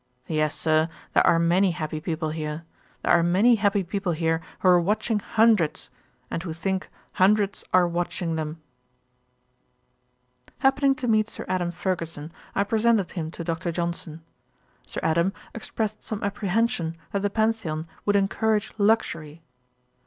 'Yes, Sir, there are many happy people here. There are many people here who are watching hundreds, and who think hundreds are watching them.' Happening to meet Sir Adam Fergusson, I presented him to Dr. Johnson. Sir Adam expressed some apprehension that the Pantheon would encourage luxury.